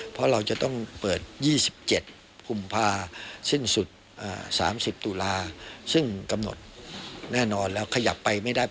เพราะเราจะต้องเปิด๒๗กุมภาสิ้นสุด๓๐ตุลาซึ่งกำหนดแน่นอนแล้วขยับไปไม่ได้